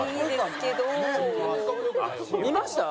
見ました？